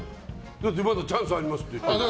だってまだチャンスありますって言ったよ。